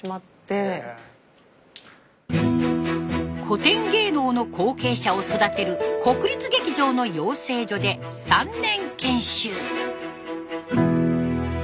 古典芸能の後継者を育てる国立劇場の養成所で３年研修。